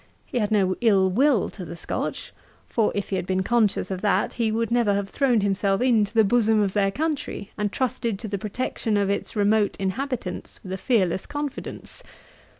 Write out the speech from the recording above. He had no ill will to the Scotch; for, if he had been conscious of that, he would never have thrown himself into the bosom of their country, and trusted to the protection of its remote inhabitants with a fearless confidence.